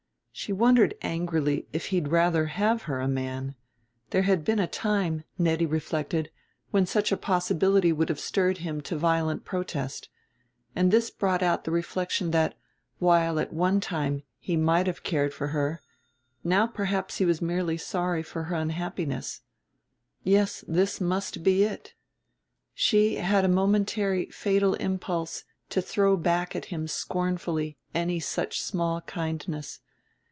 She wondered angrily if he'd rather have her a man; there had been a time, Nettie reflected, when such a possibility would have stirred him to violent protest. And this brought out the reflection that, while at one time he might have cared for her, now perhaps he was merely sorry for her unhappiness. Yes, this must be it. She had a momentary fatal impulse to throw back at him scornfully any such small kindness.